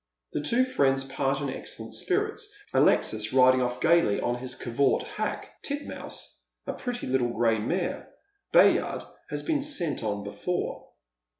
The two fiiends part in excellent spirits, Alexis riding off gaily on his covert hack, Titmouse, a pretty little gray mare. Bayard has been sent on before.